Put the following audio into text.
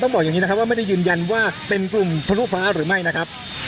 ทางกลุ่มมวลชนทะลุฟ้าทางกลุ่มมวลชนทะลุฟ้า